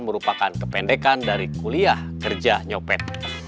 merupakan kependekan dari kuliah kerja nyopet